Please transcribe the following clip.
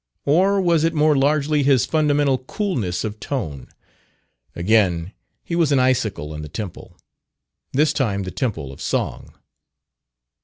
Or was it more largely his fundamental coolness of tone? Again he was an icicle on the temple this time the temple of song.